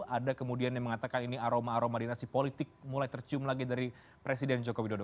ada kemudian yang mengatakan ini aroma aroma dinasti politik mulai tercium lagi dari presiden joko widodo